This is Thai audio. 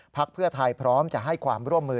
เพื่อไทยพร้อมจะให้ความร่วมมือ